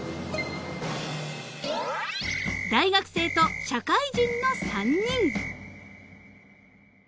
［大学生と社会人の３人］